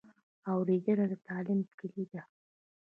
اورېدنه د تعلیم کلید دی.